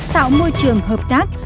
tạo môi trường hợp tác